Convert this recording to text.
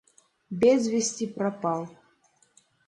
Без вести пропал.